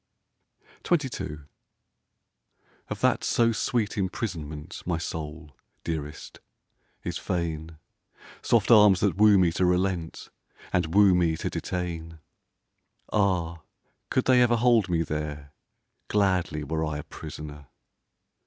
XXII Of that so sweet imprisonment My soul, dearest, is fain — Soft arms that woo me to relent And woo me to detain. Ah, could they ever hold me there Gladly were I a prisoner